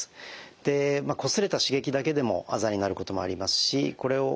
でこすれた刺激だけでもあざになることもありますしこれを老人性のですね